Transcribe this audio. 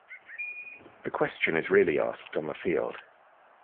The question is really asked on the field.